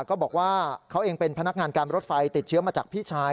ก็บอกว่าเขาเองเป็นพนักงานการรถไฟติดเชื้อมาจากพี่ชาย